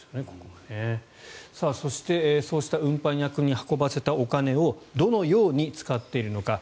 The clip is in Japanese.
そして、そうした運搬役に運ばせたお金をどのように使っているのか。